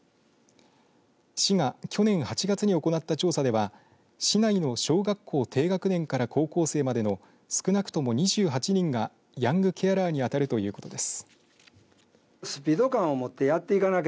市が去年８月に行った調査では市内の小学校低学年から高校生までの少なくとも２８人がヤングケアラーに当たるということです。